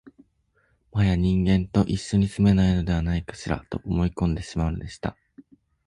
もはや人間と一緒に住めないのではないかしら、と思い込んでしまうのでした